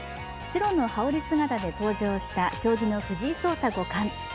白の羽織姿で登場した将棋の藤井聡太五冠。